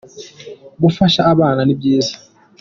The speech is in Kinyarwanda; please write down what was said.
gufasha abana ni byiza.